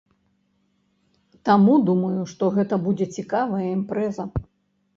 Таму думаю, што гэта будзе цікавая імпрэза.